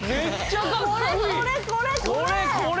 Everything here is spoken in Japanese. これこれこれこれ！